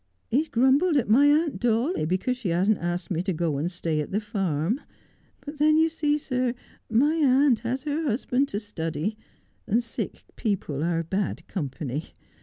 He has grumbled at my aunt Dawley because she hasn't asked me to go and stay at the farm ; but then you see, sir, my aunt has her husband to study, and sick people are bad company.